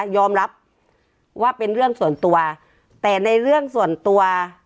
ยอมรับว่าเป็นเรื่องส่วนตัวแต่ในเรื่องส่วนตัว